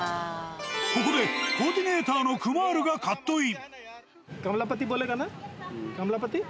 ここで、コーディネーターのクマールがカットイン。